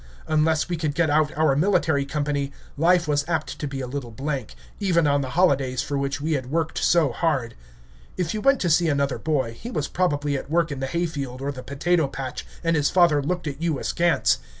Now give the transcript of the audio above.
Unless we could get out our military company, life was apt to be a little blank, even on the holidays for which we had worked so hard. If you went to see another boy, he was probably at work in the hay field or the potato patch, and his father looked at you askance.